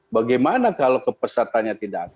bagaimana kalau kepesatannya tidak